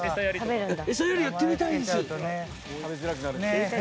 エサやりやってみたいです。